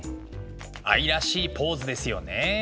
愛らしいポーズですよね。